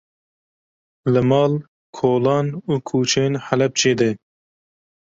Li mal, kolan û kuçeyên Helepçê de